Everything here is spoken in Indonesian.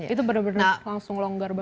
itu benar benar langsung longgar banget